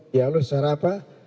dialog secara apa